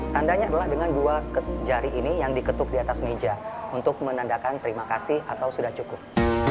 tandanya adalah dengan dua jari ini yang diketuk di atas meja untuk menandakan terima kasih atau sudah cukup